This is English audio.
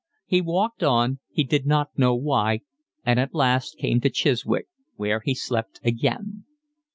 He walked on, he did not know why, and at last came to Chiswick, where he slept again.